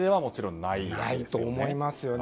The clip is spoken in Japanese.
ないと思いますよね。